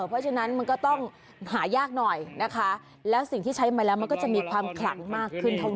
เพราะฉะนั้นมันก็ต้องหายากหน่อยนะคะแล้วสิ่งที่ใช้มาแล้วมันก็จะมีความขลังมากขึ้นเท่านั้น